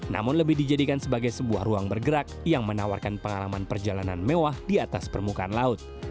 namun lebih dijadikan sebagai sebuah ruang bergerak yang menawarkan pengalaman perjalanan mewah di atas permukaan laut